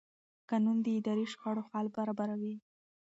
قانون د اداري شخړو حل برابروي.